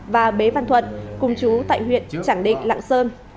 và bế văn thuận cùng chú tại huyện trảng định lạng sơn